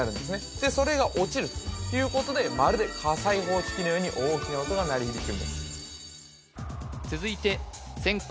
でそれが落ちるということでまるで火災報知器のように大きな音が鳴り響くんです続いて先攻